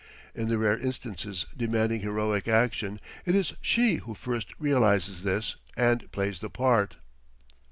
In the rare instances demanding heroic action it is she who first realizes this and plays the part.